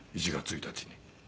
１月１日に。